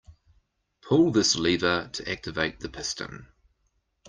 Pull this lever to activate the piston.